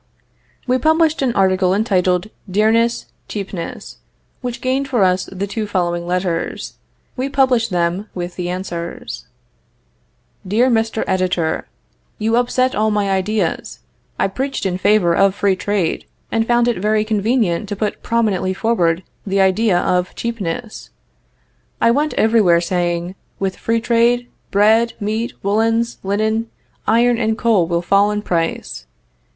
We published an article entitled Dearness Cheapness, which gained for us the two following letters. We publish them, with the answers: "DEAR MR. EDITOR: You upset all my ideas. I preached in favor of free trade, and found it very convenient to put prominently forward the idea of cheapness. I went everywhere, saying, "With free trade, bread, meat, woolens, linen, iron and coal will fall in price."